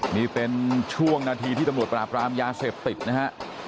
นี่เป็นช่วงนาทีที่ตำรวจปราบรามยาเสพติดนะฮะ